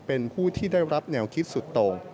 เป็นผู้ที่ได้รับแนวคิดสุดตรง